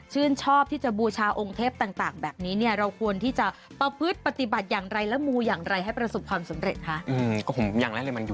ชื่นชอบที่จะบูชาองค์เทพฯต่างแบบนี้เนี่ย